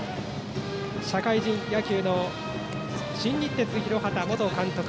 社会人野球の新日鉄広畑元監督